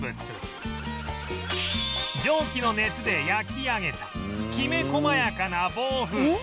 蒸気の熱で焼き上げたきめ細やかな棒麩